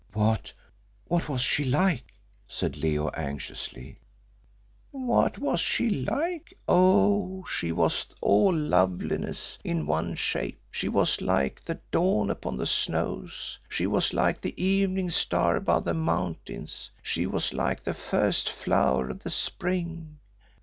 "What what was she like?" said Leo, anxiously. "What was she like? Oh! She was all loveliness in one shape; she was like the dawn upon the snows; she was like the evening star above the mountains; she was like the first flower of the spring.